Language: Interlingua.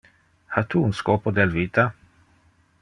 Ha tu un scopo del vita?